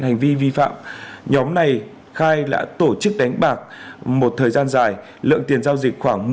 hành vi vi phạm nhóm này khai đã tổ chức đánh bạc một thời gian dài lượng tiền giao dịch khoảng